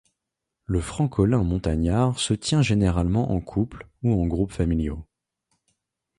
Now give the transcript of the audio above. Le francolin montagnard se tient généralement en couples ou en groupes familiaux.